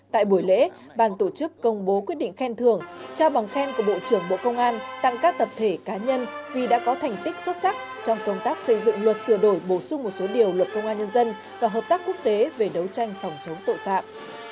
tại buổi lễ bàn tổ chức công bố quyết định khen thưởng trao bằng khen của bộ trưởng bộ công an tặng các tập thể cá nhân vì đã có thành tích xuất sắc trong công tác xây dựng luật sửa đổi bổ sung một số điều luật công an nhân dân và hợp tác quốc tế về đấu tranh phòng chống tội phạm